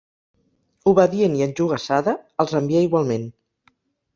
Obedient i enjogassada, els envia igualment.